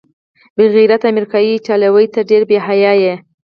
بې غیرته امریکايي ایټالویه، ته ډېر بې حیا یې.